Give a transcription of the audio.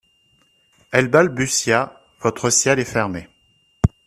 Elle balbutia : Votre ciel est fermé.